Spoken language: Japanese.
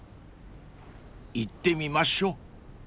［行ってみましょう］